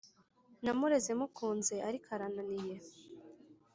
namureze mukunze ariko arananiye